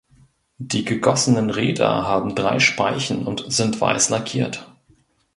Die gegossenen Räder haben drei Speichen und sind weiß lackiert.